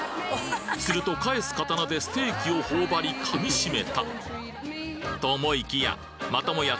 すると返す刀でステーキを頬張りかみしめた！と思いきやまたもや